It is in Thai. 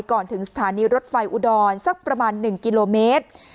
ก่อนถึงสถานีรถไฟอุดรสักประมาณ๑กิโลเมตร